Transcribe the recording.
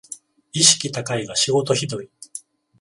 意識高いが仕事ひどい